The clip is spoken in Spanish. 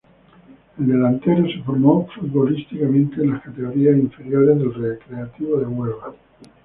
El delantero se formó futbolísticamente en las categorías inferiores del Recreativo de Huelva.